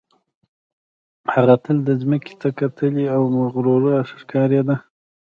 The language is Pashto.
هغه تل ځمکې ته کتلې او مغروره ښکارېده